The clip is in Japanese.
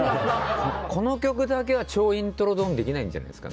この曲だけは、イントロドンできないんじゃないですか。